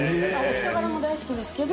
人柄も大好きですけど。